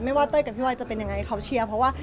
ว่าเต้ยกับพี่บอยจะเป็นยังไงเขาเชียร์เพราะว่า